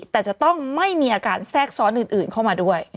แต่จะต้องไม่มีอาการแทรกซ้อนอื่นเข้ามาด้วย